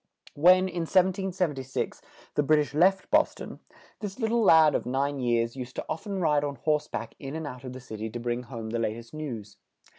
When, in 1776, the Brit ish left Bos ton, this lit tle lad of nine years used to oft en ride on horse back in and out of the city to bring home the lat est news.